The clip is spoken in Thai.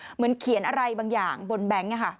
เหมือนเขียนอะไรบางอย่างบนแบงค์